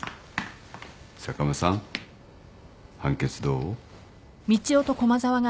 坂間さん判決どう？